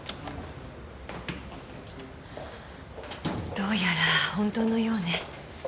どうやら本当のようね。